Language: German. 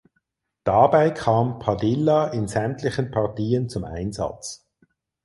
Dabei kam Padilla in sämtlichen Partien zum Einsatz.